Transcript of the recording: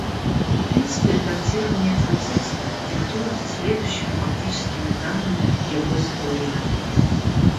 Принципы редактирования этого текста диктуются следующими фактическими данными его истории.